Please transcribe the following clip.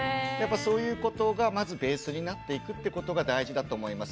そういうことがまずベースになっていくってことが大事だと思います。